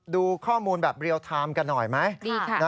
ดูข้อมูลแบบเรียลไทม์กันหน่อยไหม